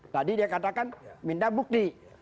tadi dia katakan minta bukti